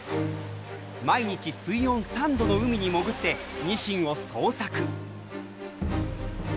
毎日水温３度の海に潜ってニシンを捜索。